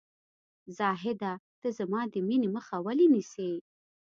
زاهده ! ته زما د مینې مخه ولې نیسې ؟